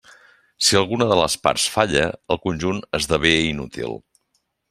Si alguna de les parts falla, el conjunt esdevé inútil.